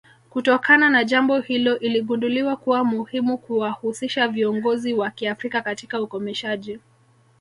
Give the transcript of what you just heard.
Kutokana na jambo hilo iligunduliwa kuwa muhimu kuwahusisha viongozi wa Kiafrika katika ukomeshaji